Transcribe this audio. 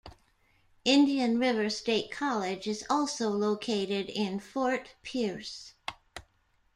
Indian River State College is also located in Fort Pierce.